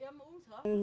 con đường là uống sổ